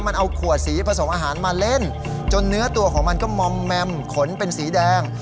มันเอาขวดสีผสมอาหารมาเล่นจนเนื้อตัวของมันก็มอมแมมขนเป็นสีแดง